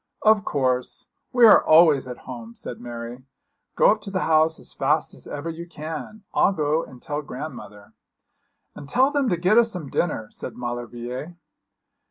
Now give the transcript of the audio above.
'Of course. We are always at home,' said Mary; 'go up to the house as fast as ever you can. I'll go and tell grandmother.' 'And tell them to get us some dinner,' said Maulevrier.